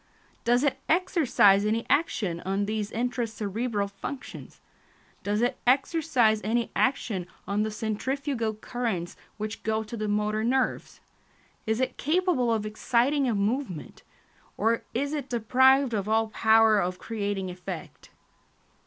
Does it exercise any action on these intra cerebral functions? Does it exercise any action on the centrifugal currents which go to the motor nerves? Is it capable of exciting a movement? or is it deprived of all power of creating effect?